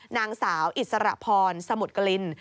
นางสาวอิสระพรสมุทรกลิน